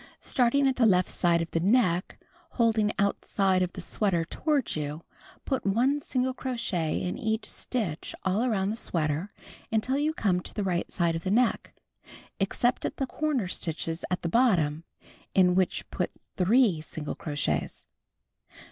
Starting at the left side of the neck, holding outside of the sweater toward you, put 1 single crochet in each stitch all around the sweater until you come to the right side of the neck, except at the corner stitches at the bottom, in which put 3 single crochets.